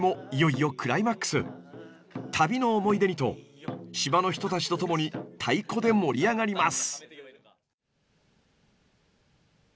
旅の思い出にと島の人たちと共に太鼓で盛り上がります。